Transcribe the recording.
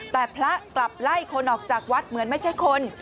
แต่พระกลับไล่คนออกจากวัดเหมือนไม่ใช่คน